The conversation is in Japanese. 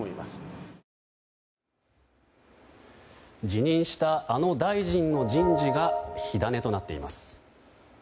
辞任したあの大臣の人事が火種となっています。